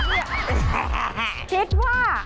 คิดว่า